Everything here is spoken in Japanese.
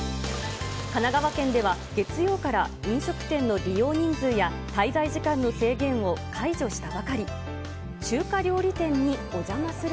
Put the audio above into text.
神奈川県では、月曜から飲食店の利用人数や滞在時間の制限を解除したばかり。